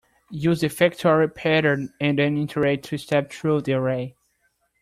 Use the factory pattern and an iterator to step through the array.